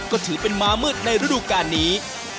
ก็ถือเป็นม้ามืดในฤดูการนี้